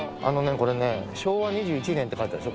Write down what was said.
これね昭和２１年って書いてあるでしょ